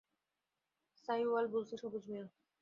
শাহীওয়াল বুলসে সবুজ মিয়া।